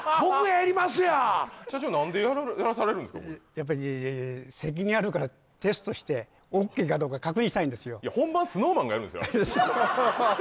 やっぱり責任あるからテストしてＯＫかどうか確認したいんですよ